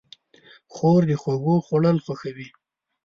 خور د خوږو خوړل خوښوي.